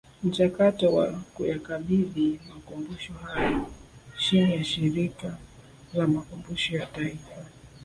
Mchakato wa kuyakabidhi Makumbusho hayo chini ya Shirika la Makumbusho ya Taifa